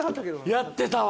やってたわ。